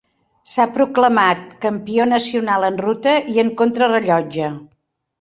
S'ha proclamat campió nacional en ruta i en contrarellotge.